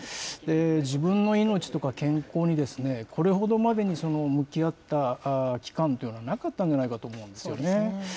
自分の命とか健康に、これほどまでに向き合った期間というのはなかったんじゃないかと思うんですよね。